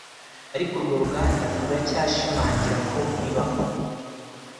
Ariko urwo ruganda ruracyashimangira ko bibaho